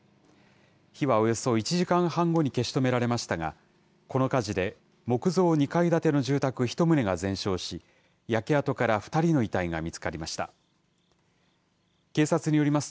火はおよそ１時間半後に消し止められましたが、この火事で木造２階建ての住宅１棟が全焼し、焼け跡から２人の遺体が見つかりました。